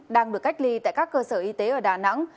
đang được cách ly tại các cơ sở y tế ở đà nẵng